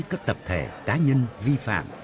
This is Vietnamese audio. các tập thể cá nhân vi phạm